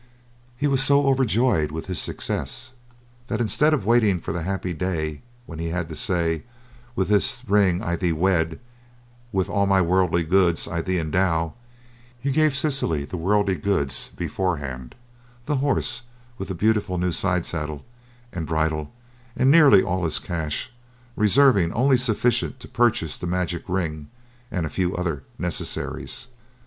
He was so overjoyed with his success that instead of waiting for the happy day when he had to say "With this ring I thee wed, with all my worldly goods I thee endow," he gave Cecily the worldly goods beforehand the horse, with the beautiful new side saddle and bridle and nearly all his cash, reserving only sufficient to purchase the magic ring and a few other necessaries.